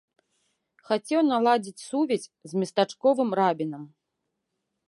Хацеў наладзіць сувязь з местачковым рабінам.